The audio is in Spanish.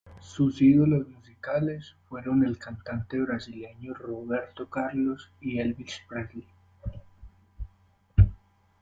Sus ídolos musicales fueron el cantante brasileño Roberto Carlos y Elvis Presley.